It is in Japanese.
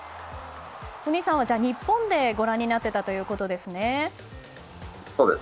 お兄さんは日本でご覧になっていたんですね。